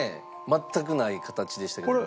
全くない形でしたけど。